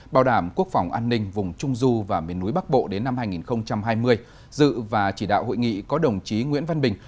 bảo đảm quốc phòng an ninh vùng trung du và miền núi bắc bộ đến năm hai nghìn hai mươi dự và chỉ đạo hội nghị có đồng chí nguyễn văn bình